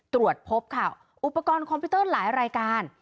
ตรวจพบค่ะอุปกรณ์คอมพิวเตอร์หลายรายการ